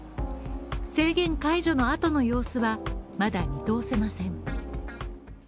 制限解除の後の様子はまだ見通せません。